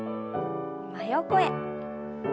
真横へ。